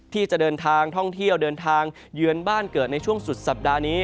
ที่จะเดินทางท่องเที่ยวเดินทางเยือนบ้านเกิดในช่วงสุดสัปดาห์นี้